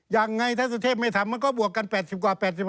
ยังไงถ้าสุเทพไม่ทำมันก็บวกกัน๘๐กว่า๘๕